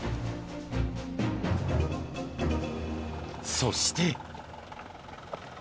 そして。